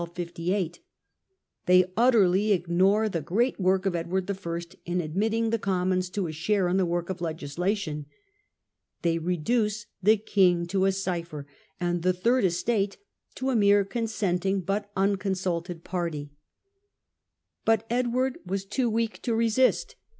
They utterly ignore the great work of Edward I., in admitting the Commons to a share in the work of legislation. They reduce the king to a cipher, and the third estate to a mere consenting but uncon sulted party. But Edward was too weak to resist.